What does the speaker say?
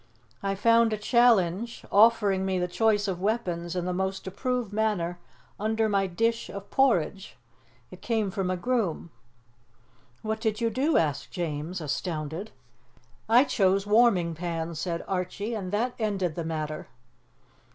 I found a challenge, offering me the choice of weapons in the most approved manner, under my dish of porridge. It came from a groom." "What did you do?" asked James, astounded. "I chose warming pans," said Archie, "and that ended the matter."